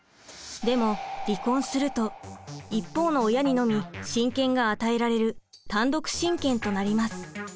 でも離婚すると一方の親にのみ親権が与えられる単独親権となります。